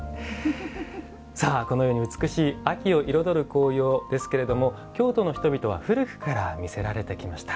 このように美しい秋を彩る紅葉ですが京都の人々は古くから魅せられてきました。